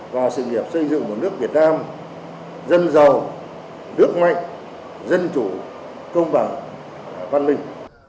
vào sự nghiệp xây dựng một nước việt nam dân giàu nước mạnh dân chủ công bằng văn minh